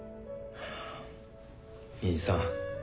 兄さん